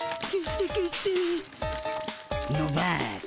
のばす。